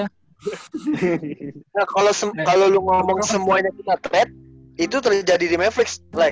kalo lu ngomong semuanya kita threat itu terjadi di mavericks lex